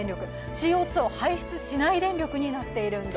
ＣＯ２を排出しない電力になっているんです。